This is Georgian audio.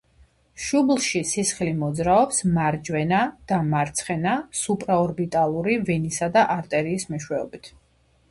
შუბლში სისხლი მოძრაობს მარჯვენა და მარცხენა სუპრაორბიტალური ვენისა და არტერიის მეშვეობით.